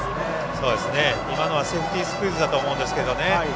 今のはセーフティースクイズだと思うんですけどね。